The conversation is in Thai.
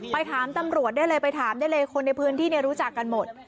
ไปถามตำรวจได้เลยไปถามได้เลยคนในพื้นที่รู้จักกันหมด